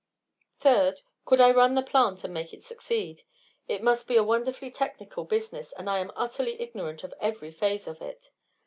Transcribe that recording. Third, could I run the plant and make it succeed? It must be a wonderfully technical business, and I am utterly ignorant of every phase of it.